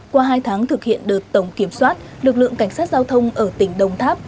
qua hai tháng thực hiện đợt tổng kiểm soát lực lượng cảnh sát giao thông ở tỉnh đồng tháp